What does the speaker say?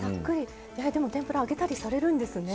天ぷら揚げたりされるんですね。